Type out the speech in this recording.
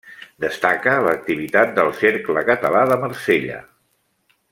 Destaca l'activitat del Cercle Català de Marsella.